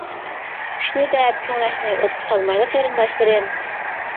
پىتنى دەپ كۆڭلەكنى ئوتقا سالمايلى قېرىنداشلىرىم.